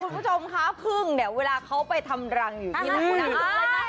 คุณผู้ชมคะพึ่งเนี่ยเวลาเขาไปทำรังอยู่ที่นั้น